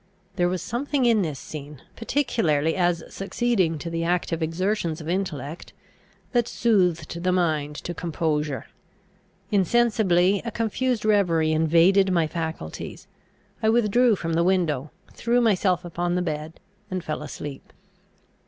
There was something in this scene, particularly as succeeding to the active exertions of intellect, that soothed the mind to composure. Insensibly a confused reverie invaded my faculties; I withdrew from the window, threw myself upon the bed, and fell asleep.